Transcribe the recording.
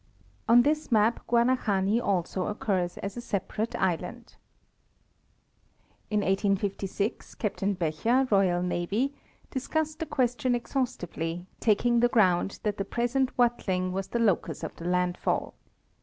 * On this map Guanahani also occurs as a separate island. In 1856 Captain Becher, Royal Navy, discussed the question exhaustively, taking the ground that the present Watling 7 was the locus of the landfall.